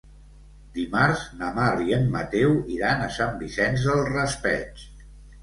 Dimarts na Mar i en Mateu iran a Sant Vicent del Raspeig.